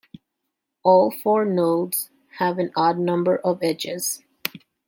All four nodes have an odd number of edges.